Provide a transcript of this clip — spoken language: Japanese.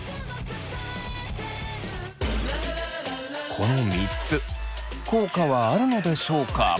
この３つ効果はあるのでしょうか？